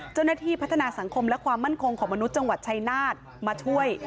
เจ้าหน้าที่พัฒนาสังคมและความมั่นคงของมนุษย์จังหวัดชายนาฏมาช่วย